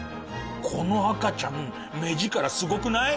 この赤ちゃん目力すごくない？